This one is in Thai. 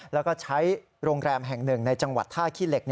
แล้วก็ใช้โรงแรมแห่งหนึ่งในจังหวัดท่าขี้เหล็ก